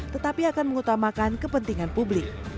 tetapi akan mengutamakan kepentingan publik